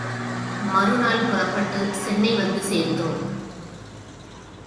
மறுநாள் புறப்பட்டு சென்னை வந்து சேர்ந்தோம்.